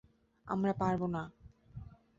আমরা পারবো না।